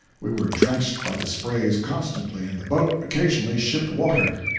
We were drenched by the sprays constantly, and the boat occasionally shipped water.